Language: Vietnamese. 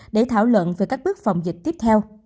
để thảo luận về các bước phòng dịch tiếp theo